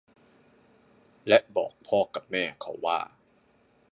และบอกพ่อกับแม่เขาว่า